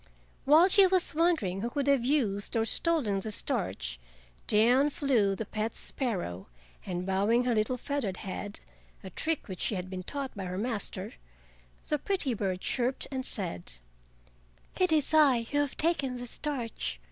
While she was wondering who could have used or stolen the starch, down flew the pet sparrow, and bowing her little feathered head—a trick which she had been taught by her master—the pretty bird chirped and said: "It is I who have taken the starch.